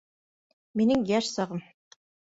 Минең йәш сағым.